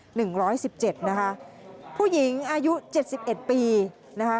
หนึ่งร้อยสิบเจ็ดนะคะผู้หญิงอายุเจ็ดสิบเอ็ดปีนะคะ